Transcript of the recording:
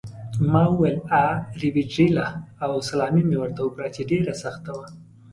ما وویل: 'A rivederla' او سلامي مې ورته وکړه چې ډېره سخته وه.